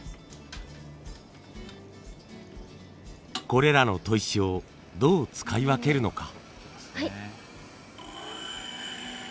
これらの砥石をどう使い分けるのか？